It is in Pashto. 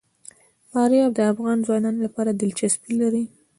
فاریاب د افغان ځوانانو لپاره دلچسپي لري.